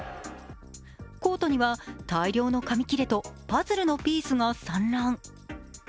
コートには大量の紙きれとパズルのピースが散乱。